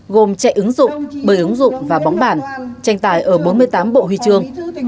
gồm chạy ứng dụng bơi ứng dụng và bóng bản tranh tài ở bốn mươi tám bộ huy chương